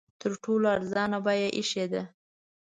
تر ټولو ارزانه بیه ایښې ده.